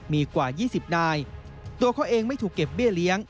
มีกว่า๒๐นายตัวเขาเองไม่ถูกเก็บเบี้ยเลี้ยง